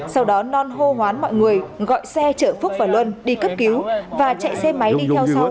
sau đó non hô hoán mọi người gọi xe chở phúc và luân đi cấp cứu và chạy xe máy đi theo sau rồi bỏ trốn